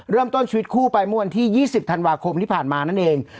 เริ่มต้นชีวิตคู่ไปเมื่อวันที่๒๐ธันวาคมที่ผ่านมานั่นเอง